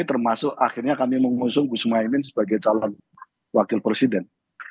termasuk akhirnya kami mengusung gus muhaymin sebagai calon wakil presiden